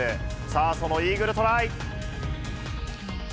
さあ、そのイーグルトライ。